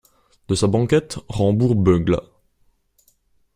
De sa banquette, Rambourg beugla.